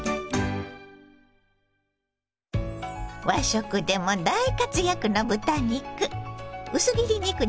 和食でも大活躍の豚肉。